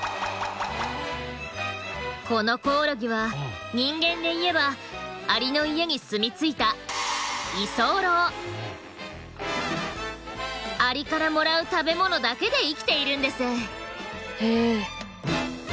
このコオロギは人間でいえばアリの家に住み着いたアリからもらう食べ物だけで生きているんです。